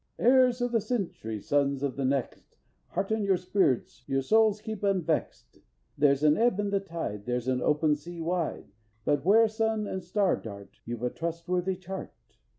_Heirs of the century, Sons of the next, Hearten your spirits, Your souls keep unvext. There's an ebb in the tide, There's an open sea wide, But where sun and star dart, You've a trustworthy chart.